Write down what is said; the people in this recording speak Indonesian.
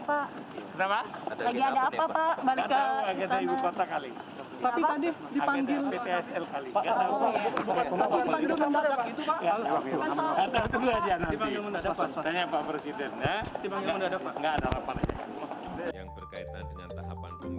gak ada rapat aja